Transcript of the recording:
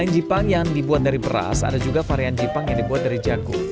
jangan lupa untuk menikmati video ini